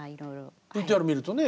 ＶＴＲ見るとね